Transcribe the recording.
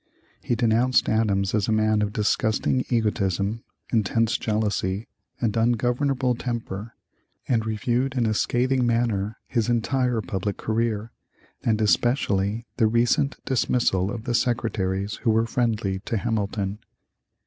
He denounced Adams as a man of disgusting egotism, intense jealousy, and ungovernable temper, and reviewed in a scathing manner his entire public career, and especially the recent dismissal of the secretaries who were friendly to Hamilton.